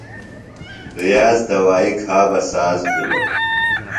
ریاض دوائی کھا بہ ساز بِھلوۡ۔